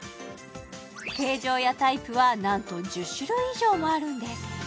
形状やタイプはなんと１０種類以上もあるんです